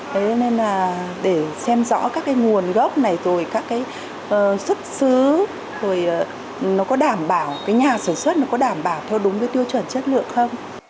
để xem rõ các nguồn gốc xuất xứ nhà sản xuất có đảm bảo theo đúng tiêu chuẩn chất lượng không